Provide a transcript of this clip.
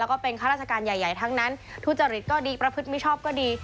แล้วก็เป็นข้าราชการใหญ่ทั้งนั้นทุจริตก็ดีประพฤติมิชอบก็ดี